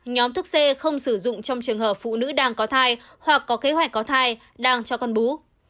nhóm thuốc c không sử dụng trong trường hợp phụ nữ đang có thai hoặc có kế hoạch có thai đang cho con bú